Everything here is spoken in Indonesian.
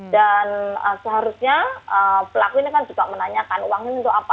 dan seharusnya pelaku ini kan juga menanyakan uang ini untuk apa